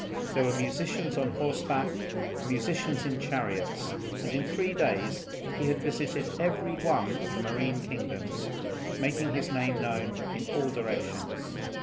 There were musicians on horseback and musicians in chariots, and in three days he had visited every one of the marine kingdoms, making his name known in all directions.